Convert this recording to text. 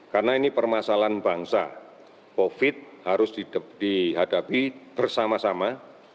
karena ini permasalahan bangsa covid sembilan belas harus dihadapi bersama sama